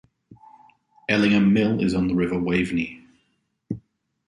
Ellingham Mill is on the River Waveney.